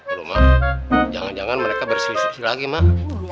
aduh mak jangan jangan mereka berselisih lagi mak